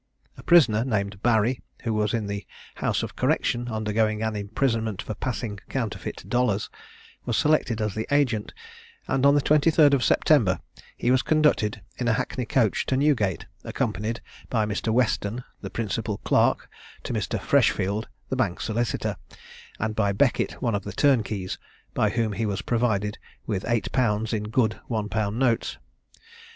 A prisoner named Barry, who was in the House of Correction undergoing an imprisonment for passing counterfeit dollars, was selected as the agent, and on the 23d of September he was conducted in a hackney coach to Newgate, accompanied by Mr. Weston, the principal clerk to Mr. Freshfield, the bank solicitor, and by Beckett, one of the turnkeys, by whom he was provided with 8_l._ in good 1_l._ notes.